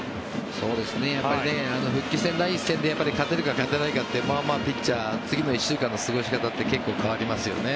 やっぱり復帰戦第１戦で勝てるか勝てないかってピッチャー次の１週間の過ごし方って結構変わりますよね。